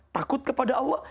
takut kepada allah